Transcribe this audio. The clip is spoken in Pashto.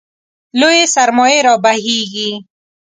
لویې سرمایې رابهېږي.